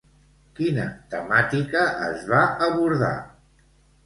Quina temàtica es va abordar?